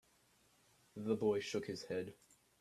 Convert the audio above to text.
The boy shook his head.